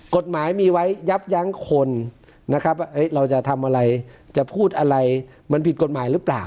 กฎหมายมีไว้ยับยั้งคนนะครับว่าเราจะทำอะไรจะพูดอะไรมันผิดกฎหมายหรือเปล่า